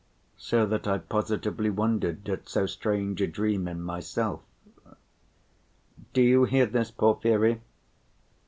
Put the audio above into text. So that I positively wondered at so strange a dream in myself. Do you hear this, Porfiry?"